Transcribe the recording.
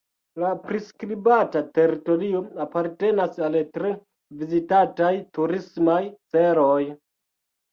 La priskribata teritorio apartenas al tre vizitataj turismaj celoj.